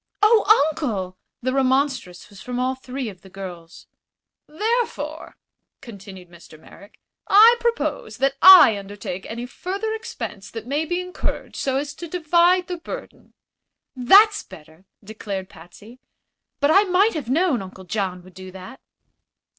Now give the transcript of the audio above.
"Oh, Uncle!" The remonstrance was from all three of the girls. "Therefore," continued Mr. Merrick, "I propose that I undertake any further expense that may be incurred, so as to divide the burden." "That's better!" declared Patsy. "But I might have known Uncle John would do that."